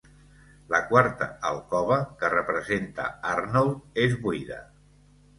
La quarta alcova, que representa Arnold, és buida.